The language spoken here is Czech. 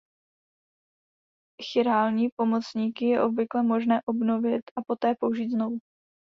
Chirální pomocníky je obvykle možné obnovit a poté použít znovu.